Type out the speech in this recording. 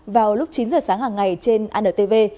vào lúc chín h sáng hàng ngày trên anntv